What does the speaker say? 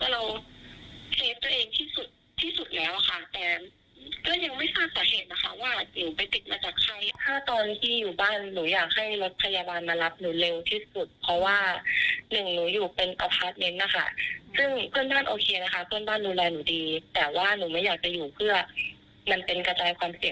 เรารักษากันแบบหมอชาวบ้านมากค่ะพี่